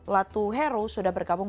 latuhero sudah berkabung